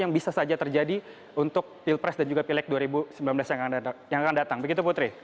yang bisa saja terjadi untuk pilpres dan juga pileg dua ribu sembilan belas yang akan datang begitu putri